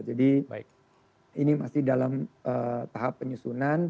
jadi ini masih dalam tahap penyusunan